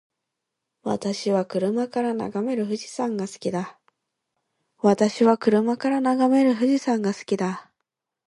私は車から眺める富士山が好きだ。